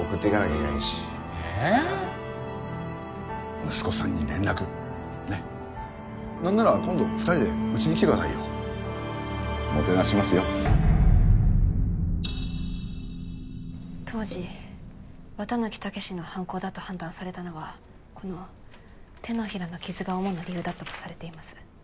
現在当時綿貫猛司の犯行だと判断されたのはこの手のひらの傷が主な理由だったとされています。